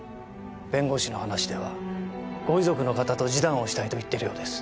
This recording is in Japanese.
弁護士の話ではご遺族の方と示談をしたいと言っているようです。